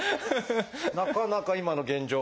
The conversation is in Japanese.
なかなか今の現状。